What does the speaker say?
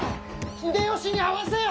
秀吉に会わせよ！